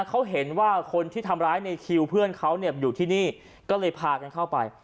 เขาเห็นว่าคนที่ทำร้ายในคิวเพื่อนเขาเนี่ยอยู่ที่นี่ก็เลยพากันเข้าไป